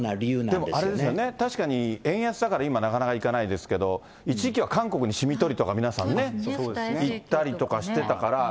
でもあれですよね、円安だから今なかなか行かないですけれども、一時期は韓国にしみ取りとか、皆さんね、行ったりとかしてたから。